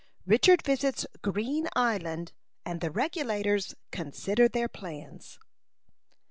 RICHARD VISITS GREEN ISLAND, AND THE REGULATORS CONSIDER THEIR PLANS.